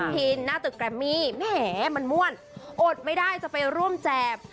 หรือเว่นหน้าตึกแกมมี่แม่มันม่วนเพื่อนมันอดไม่ได้จะไปร่วมแจม